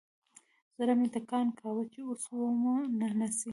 زړه مې ټکان کاوه چې اوس ومو نه نيسي.